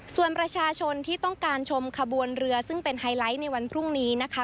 ส่วนประชาชนที่ต้องการชมขบวนเรือซึ่งเป็นไฮไลท์ในวันพรุ่งนี้นะคะ